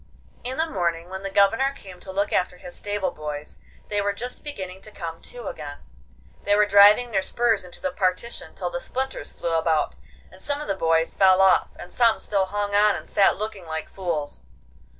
In the morning when the Governor came to look after his stable boys they were just beginning to come to again. They were driving their spurs into the partition till the splinters flew about, and some of the boys fell off, and some still hung on and sat looking like fools.